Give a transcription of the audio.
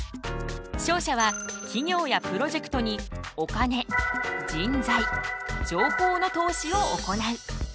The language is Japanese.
商社は企業やプロジェクトにお金人材情報の投資を行う。